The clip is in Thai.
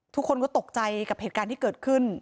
ทุกคนก็ตกใจกับเหตุการณ์ที่เกิดขึ้น